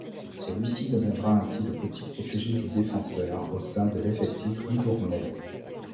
Celui-ci deviendra ainsi le petit protégé du défenseur au sein de l'effectif livournais.